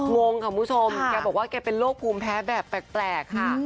งงค่ะคุณผู้ชมแกบอกว่าแกเป็นโรคภูมิแพ้แบบแปลกค่ะ